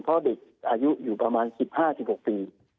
เพราะเด็กอายุอยู่ประมาณ๑๕๑๖ปี